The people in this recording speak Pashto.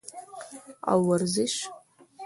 او ورزش